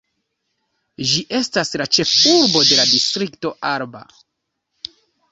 Ĝi estas la ĉefurbo de la Distrikto Alba.